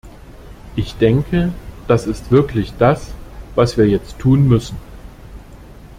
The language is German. Ich denke, das ist wirklich das, was wir jetzt tun müssen.